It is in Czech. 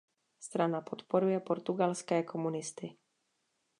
Strana podporuje portugalské komunisty.